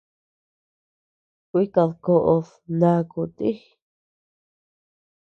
Kuikadkoʼod ndakuu ti.